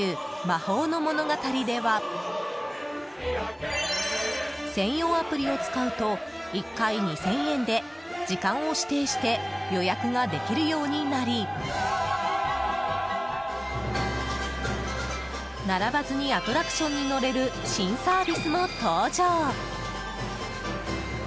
“魔法のものがたり”では専用アプリを使うと１回２０００円で時間を指定して予約ができるようになり並ばずにアトラクションに乗れる新サービスも登場。